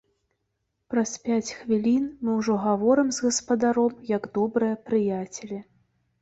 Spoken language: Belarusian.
Праз пяць хвілін мы ўжо гаворым з гаспадаром, як добрыя прыяцелі.